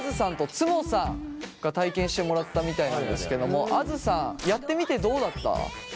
んとつもさんが体験してもらったみたいなんですけどもあづさんやってみてどうだった？